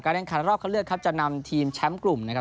แรงขันรอบเข้าเลือกครับจะนำทีมแชมป์กลุ่มนะครับ